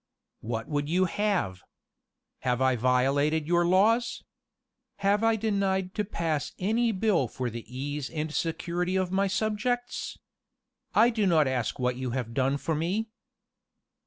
[*] "What would you have? Have I violated your laws? Have I denied to pass any bill for the ease and security of my subjects? I do not ask what you have done for me.